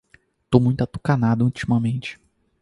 Tô muito atucanado ultimamente